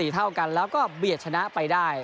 เท่ากันแล้วก็เบียดชนะไปได้